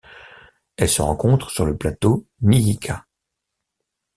Elle se rencontre sur le plateau Nyika.